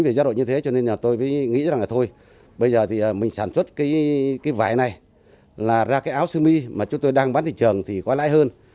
vì gia đội như thế cho nên là tôi nghĩ rằng là thôi bây giờ thì mình sản xuất cái vải này là ra cái áo xương ly mà chúng tôi đang bán thị trường thì có lãi hơn